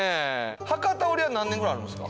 博多織は何年ぐらいあるんですか